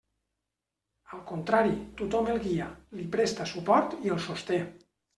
Al contrari, tothom el guia, li presta suport i el sosté.